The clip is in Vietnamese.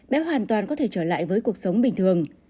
bé hoàn toàn có thể trở lại với cuộc sống bình thường